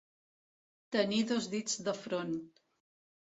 Tenir dos dits de front.